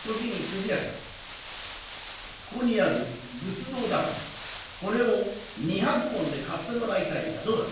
ここにある仏像だがなこれを二百文で買ってもらいたいがどうだ？」。